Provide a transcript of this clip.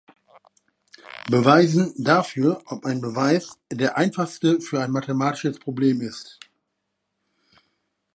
Beweisen dafür, ob ein Beweis der einfachste für ein mathematisches Problem ist.